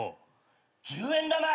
１０円玉。